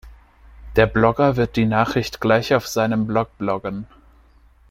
Der Blogger wird die Nachricht gleich auf seinem Blog bloggen.